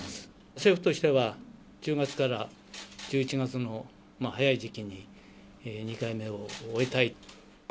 政府としては、１０月から１１月の早い時期に２回目を終えたい。